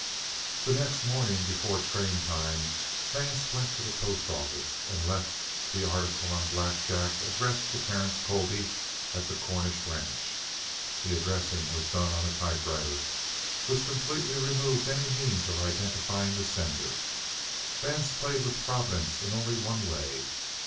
The next morning, before traintime, Vance went to the post office and left the article on Black Jack addressed to Terence Colby at the Cornish ranch. The addressing was done on a typewriter, which completely removed any means of identifying the sender. Vance played with Providence in only one way.